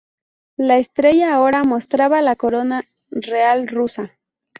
La estrella ahora mostraba la corona real rusa.